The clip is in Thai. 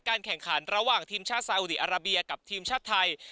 แข่งขันระหว่างทีมชาติสาอุดีอาราเบียกับทีมชาติไทย